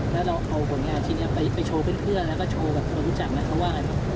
แล้วเราเอาผลงานชิ้นนี้ไปโชว์เพื่อนแล้วก็โชว์แบบคนรู้จักไหมเขาว่าไง